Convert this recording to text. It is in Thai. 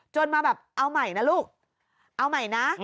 มาแบบเอาใหม่นะลูกเอาใหม่นะ